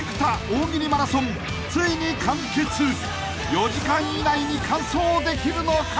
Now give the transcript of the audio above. ［４時間以内に完走できるのか！？］